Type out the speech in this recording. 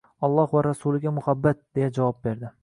“Alloh va rasuliga muhabbat!” deya javob berdi